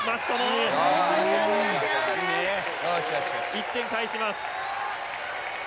１点返します。